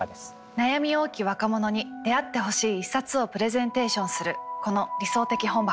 悩み多き若者に出会ってほしい一冊をプレゼンテーションするこの「理想的本箱」。